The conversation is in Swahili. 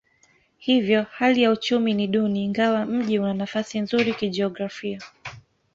Hivyo hali ya uchumi ni duni ingawa mji una nafasi nzuri kijiografia.